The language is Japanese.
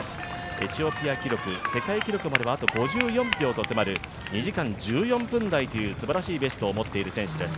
エチオピア記録、世界記録まであと５４秒と迫る２時間１４分台という、すばらしい記録を持っている選手です。